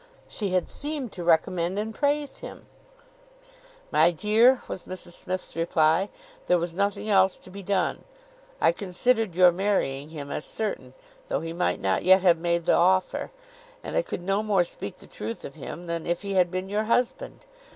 "She had seemed to recommend and praise him!" "My dear," was Mrs Smith's reply, "there was nothing else to be done. I considered your marrying him as certain, though he might not yet have made the offer, and I could no more speak the truth of him, than if he had been your husband.